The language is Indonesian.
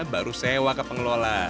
baru sewa ke pengelola